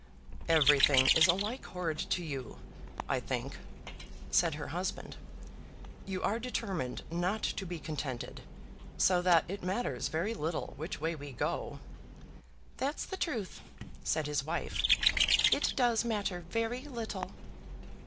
"Everything is alike horrid to you, I think," said her husband. "You are determined not to be contented, so that it matters very little which way we go." "That's the truth," said his wife. "It does matter very little."